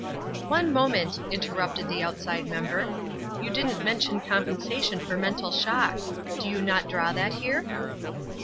"One moment," interrupted the outside member. "You don't mention compensation for mental shock. Do you not draw that here?"